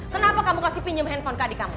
kenapa kamu kasih pinjem handphone ke adik kamu